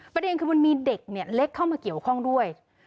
ประเด็นคือมันมีเด็กเล็กเข้ามาเกี่ยวข้องด้วย